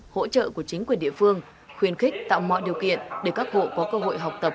hỗ trợ của chính quyền địa phương khuyên khích tạo mọi điều kiện để các hộ có cơ hội học tập